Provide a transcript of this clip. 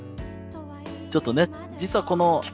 ちょっとね実はこの期間